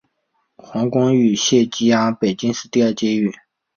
黄光裕现羁押于北京市第二监狱。